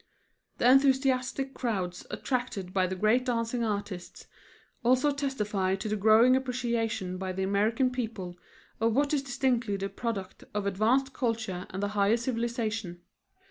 The enthusiastic crowds attracted by the great dancing artists also testify to the growing appreciation by the American people of what is distinctively the product of advanced culture and the higher civilization.